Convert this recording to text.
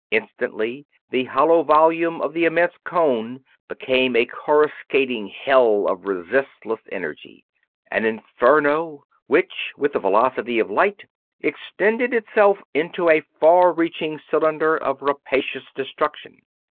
Instantly the hollow volume of the immense cone became a coruscating hell of resistless energy, an inferno which with the velocity of light extended itself into a far reaching cylinder of rapacious destruction.